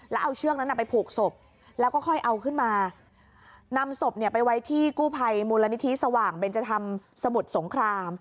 แล้วเอาเชือกนั้นไปผูกศพแล้วก็ค่อยเอาขึ้นมานำศพเนี่ยไปไว้ที่กู้ภัยมูลนิธิสว่างเบนจธรรมสมุทรสงคราม